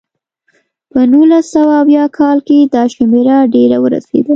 په نولس سوه اویا کال کې دا شمېره ډېره ورسېده.